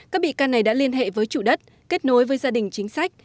các bị can này đã liên hệ với chủ đất kết nối với gia đình chính sách